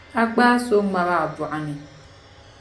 A gbaai so n ŋmabi a bɔɣu ni.